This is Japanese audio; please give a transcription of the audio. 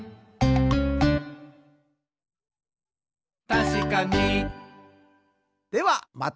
「たしかに！」ではまた。